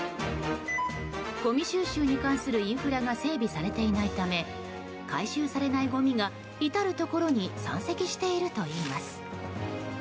ごみ収集に関するインフラが整備されていないため回収されないごみが至るところに山積しているといいます。